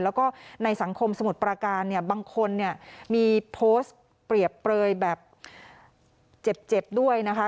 แล้วก็ในสังคมสมุทรประการเนี่ยบางคนเนี่ยมีโพสต์เปรียบเปลยแบบเจ็บเจ็บด้วยนะคะ